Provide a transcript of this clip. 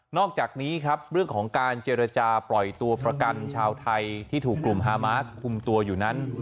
อกจากนี้ครับเรื่องของการเจรจาปล่อยตัวประกันชาวไทยที่ถูกกลุ่มฮามาสคุมตัวอยู่นั้น